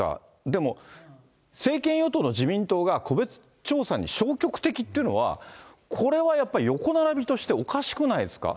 でも政権与党の自民党が個別調査に消極的っていうのは、これはやっぱり、横並びとしておかしくないですか。